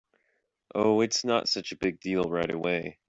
Oh, it’s not such a big deal right away.